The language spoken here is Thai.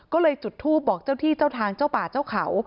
ก็เลยจุดทูปบอกเจ้าที่เจ้าทางเจ้าป่าเจ้าเขา